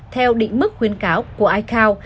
theo định mức khuyến cáo của icao